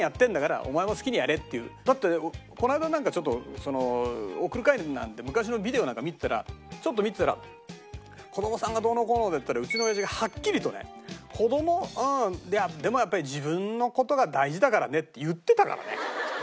俺も好きにやってんだからだってこの間なんかちょっと送る会なんて昔のビデオなんか見てたらちょっと見てたら子供さんがどうのこうのっつったらうちの親父がはっきりとね「子供？ああでもやっぱり自分の事が大事だからね」って言ってたからね。